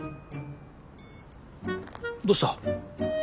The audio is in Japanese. どうした？